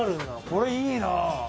これいいなあ。